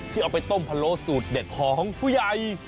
เอาไปต้มพะโล้สูตรเด็ดของผู้ใหญ่